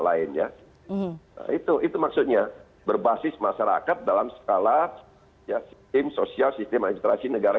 lainnya itu itu maksudnya berbasis masyarakat dalam skala ya sistem sosial sistem administrasi negara